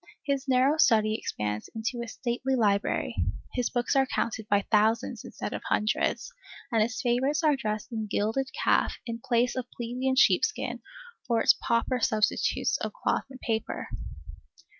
His narrow study expands into a stately library, his books are counted by thousands instead of hundreds, and his favorites are dressed in gilded calf in place of plebeian sheepskin or its pauper substitutes of cloth and paper.